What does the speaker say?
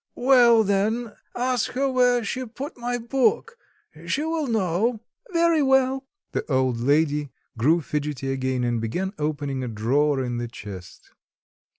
"Well, then; ask her where she put my book? she will know." "Very well." The old lady grew fidgety again and began opening a drawer in the chest.